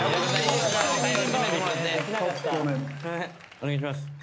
お願いします。